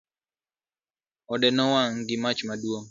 Ode nowang' gi mach maduong'